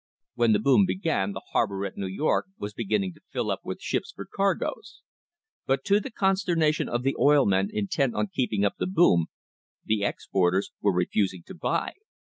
When the boom began the harbour at New York was beginning to fill up with ships for cargoes. But to the consternation of the oil men intent on keeping up the boom, the exporters were refusing to buy.